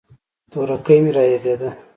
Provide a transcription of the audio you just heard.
تورکى مې رايادېده.